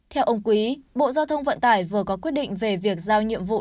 theo ông quý bộ giao thông vận tải vừa có quyết định về việc giao nhiệm vụ